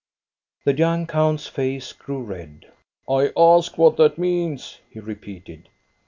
The young count's face grew red. I ask what that means !" he repeated.